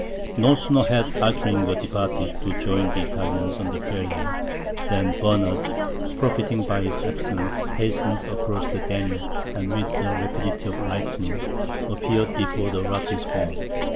No sooner had Altringer departed, to join the Italians under Feria, than Bernard, profiting by his absence, hastened across the Danube, and with the rapidity of lightning appeared before Ratisbon.